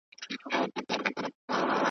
بس له اسمانه تندرونه اوري .